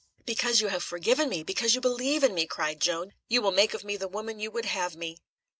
"Because you have forgiven me, because you believe in me," cried Joan, "you will make of me the woman you would have me!"